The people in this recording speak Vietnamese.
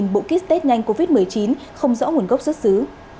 một bộ kit test nhanh covid một mươi chín không rõ nguồn gốc xuất xứ